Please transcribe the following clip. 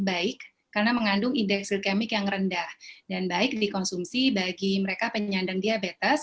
baik karena mengandung indeks glikemik yang rendah dan baik dikonsumsi bagi mereka penyandang diabetes